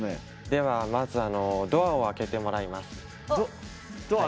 では、まずドアを開けてもらいます。